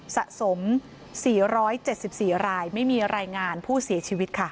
สะสม๔๗๔รายไม่มีรายงานผู้เสียชีวิตค่ะ